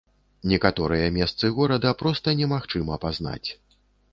Некаторыя месцы горада проста немагчыма пазнаць.